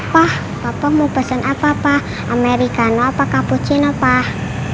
pak papa mau pesen apa pak americano apa cappuccino pak